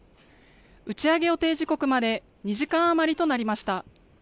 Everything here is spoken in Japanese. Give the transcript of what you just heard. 打ち上げ予定時刻まで２時間余りとなりました。